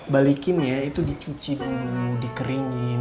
balikin ya itu dicucip dikeringin